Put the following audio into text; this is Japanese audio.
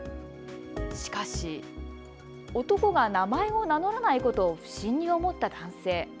しかし、男が名前を名乗らないことを不審に思った男性。